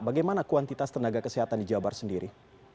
bagaimana kuantitas tenaga kesehatan di jawa barat sendiri